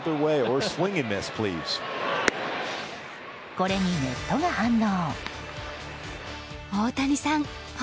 これにネットが反応。